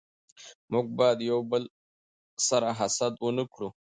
موږ بايد يو دبل سره حسد و نه کړو